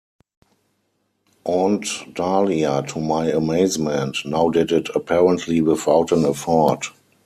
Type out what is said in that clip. Aunt Dahlia, to my amazement, now did it apparently without an effort.